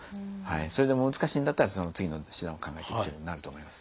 それでも難しいんだったらその次の手段を考えていくことになると思います。